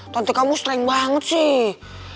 tante kamu sering banget sih